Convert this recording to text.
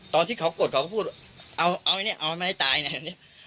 ตอนที่เขากดเขาก็พูดเอาไหมเนี่ยเอาไม่ให้ตายเนี่ย